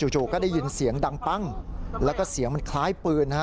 จู่ก็ได้ยินเสียงดังปั้งแล้วก็เสียงมันคล้ายปืน